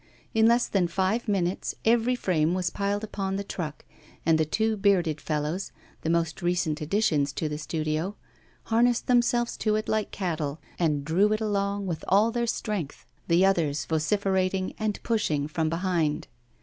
In less than five minutes every frame was piled upon the truck, and the two bearded fellows, the most recent additions to the studio, harnessed themselves to it like cattle and drew it along with all their strength, the others vociferating, and pushing from behind.